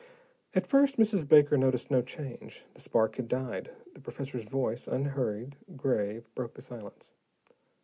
At first, Mrs. Baker noticed no change. The spark had died, the professor's voice, unhurried, grave, broke the silence.